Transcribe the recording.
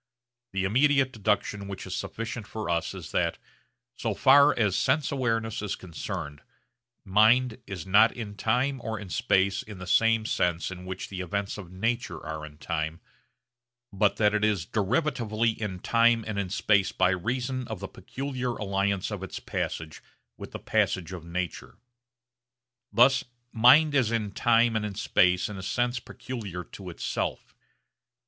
The immediate deduction which is sufficient for us is that so far as sense awareness is concerned mind is not in time or in space in the same sense in which the events of nature are in time, but that it is derivatively in time and in space by reason of the peculiar alliance of its passage with the passage of nature. Thus mind is in time and in space in a sense peculiar to itself.